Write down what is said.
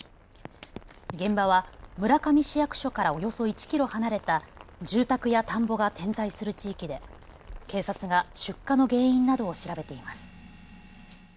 現場は村上市役所からおよそ１キロ離れた住宅や田んぼが点在する地域で警察が出火の原因などを調べています。